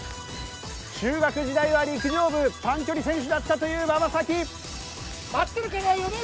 中学時代は陸上部短距離選手だったという馬場咲希。